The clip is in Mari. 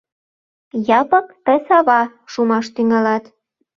Япык, тый сава шумаш тӱҥалат.